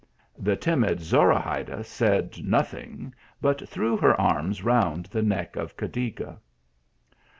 The timid Zorahayda said nothing, but threw her arms round the neck of Cacliga.